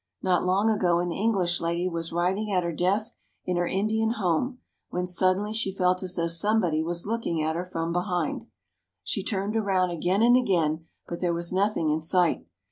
Not long ago an EngHsh lady was writing at her desk in her Indian home, when suddenly she felt as though somebody was looking at her from behind. She turned around again and again, but there was nothing in sight.